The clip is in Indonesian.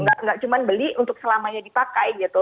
nggak cuma beli untuk selamanya dipakai gitu